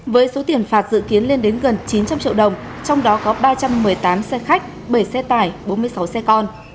với số tiền phạt dự kiến lên đến gần chín trăm linh triệu đồng trong đó có ba trăm một mươi tám xe khách bảy xe tải bốn mươi sáu xe con